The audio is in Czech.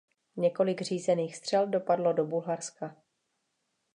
Několik řízených střel dopadlo do Bulharska.